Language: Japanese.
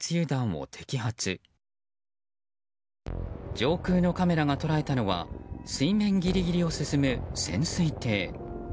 上空のカメラが捉えたのは水面ギリギリを進む潜水艇。